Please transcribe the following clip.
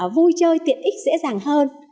vui chơi tiện ích dễ dàng hơn